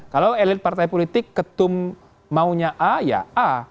kalau elit partai politik ketum maunya a ya a